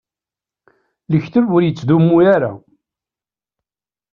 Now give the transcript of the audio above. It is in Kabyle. Lekdeb ur ittdummu ara.